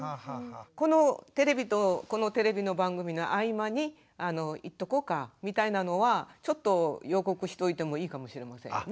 このテレビとこのテレビの番組の合間に行っとこうかみたいなのはちょっと予告しといてもいいかもしれませんよね。